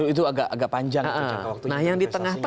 itu agak panjang itu jangka waktu investasinya ya